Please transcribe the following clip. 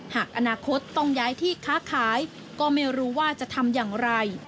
หากอนาคตต้องย้ายที่ค้าขายก็ไม่รู้ว่าจะทำอย่างไร